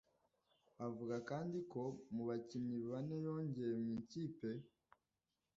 Avuga kandi ko mu bakinnyi bane yongeye mu ikipe